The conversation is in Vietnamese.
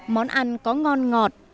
món ăn có ngon ngọt